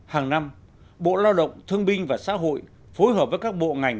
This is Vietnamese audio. hàng năm bộ lao động thương binh và xã hội phối hợp với các bộ ngành